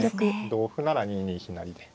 同歩なら２二飛成で。